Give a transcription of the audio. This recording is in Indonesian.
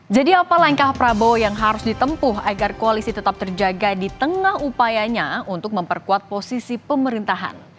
jadi apa langkah prabowo yang harus ditempuh agar koalisi tetap terjaga di tengah upayanya untuk memperkuat posisi pemerintahan